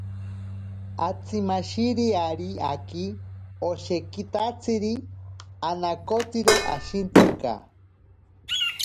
Atsimashiri ari aaki oshekitatsiri anakotsiro ashintsinka.